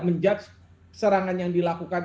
menjudge serangan yang dilakukan